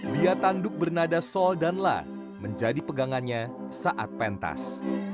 dia tanduk bernada sol dan la menjadi pegangannya saat pentas